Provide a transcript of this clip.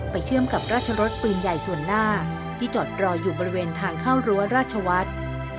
เชื่อมกับราชรสปืนใหญ่ส่วนหน้าที่จอดรออยู่บริเวณทางเข้ารั้วราชวัฒน์